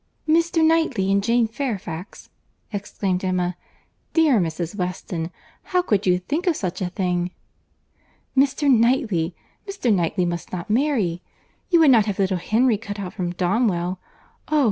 "Mr. Knightley and Jane Fairfax!" exclaimed Emma. "Dear Mrs. Weston, how could you think of such a thing?—Mr. Knightley!—Mr. Knightley must not marry!—You would not have little Henry cut out from Donwell?—Oh!